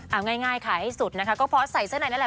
เอาง่ายขายให้สุดนะคะก็เพราะใส่เสื้อในนั่นแหละ